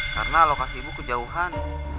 karena lokasi ibu kejauhan